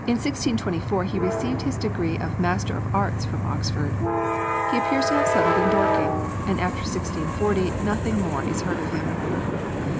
In 1624 he received his degree of Master of Arts from Oxford. He appears to have settled in Dorking, and after 1640 nothing more is heard of him.